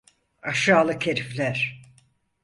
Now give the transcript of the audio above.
Aşağılık herifler!